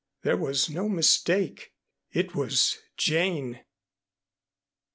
There was no mistake. It was Jane.